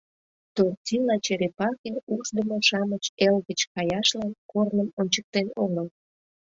Тортила черепахе Ушдымо-шамыч Эл гыч каяшлан корным ончыктен огыл.